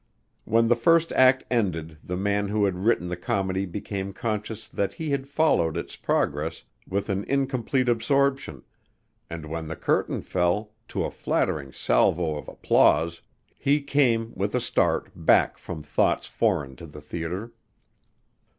When the first act ended the man who had written the comedy became conscious that he had followed its progress with an incomplete absorption, and when the curtain fell, to a flattering salvo of applause, he came, with a start, back from thoughts foreign to the theater.